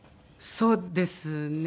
そうですね。